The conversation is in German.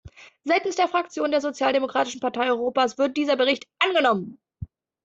Seitens der Fraktion der Sozialdemokratischen Partei Europas wird dieser Bericht angenommen.